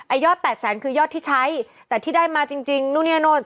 ไอ้ยอด๘แสนคือยอดที่ใช้แต่ที่ได้มาจริงนู่นี่แล้วโน่น